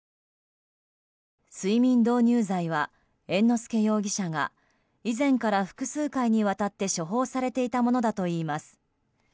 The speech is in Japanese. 睡眠導入剤は、猿之助容疑者が以前から複数回にわたって処方されていたものだといいます。